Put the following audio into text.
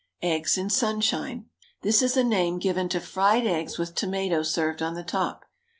EGGS IN SUNSHINE. This is a name given to fried eggs with tomato served on the top.